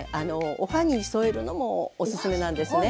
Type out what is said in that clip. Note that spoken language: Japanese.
おはぎに添えるのもおすすめなんですね。